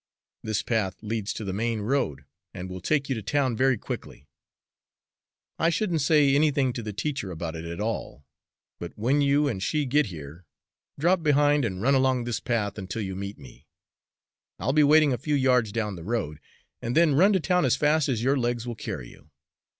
This path leads to the main road, and will take you to town very quickly. I shouldn't say anything to the teacher about it at all; but when you and she get here, drop behind and run along this path until you meet me, I'll be waiting a few yards down the road, and then run to town as fast as your legs will carry you.